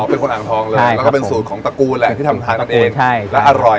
เป็นคนอ่างทองเลยแล้วก็เป็นสูตรของตระกูลแหละที่ทำทานกันเองใช่แล้วอร่อย